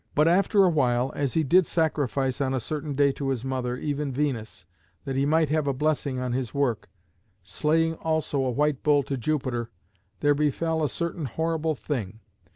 But, after awhile, as he did sacrifice on a certain day to his mother, even Venus, that he might have a blessing on his work, slaying also a white bull to Jupiter, there befell a certain horrible thing.